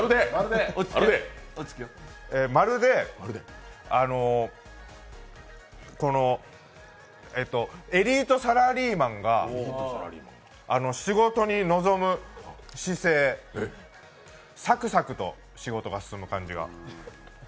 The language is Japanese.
まるで、あのうエリートサラリーマンが仕事に臨む姿勢、さくさくと仕事が進む感じが。